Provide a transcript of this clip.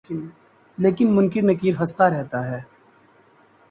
لیکن منکر نکیر ہستہ رہتا ہے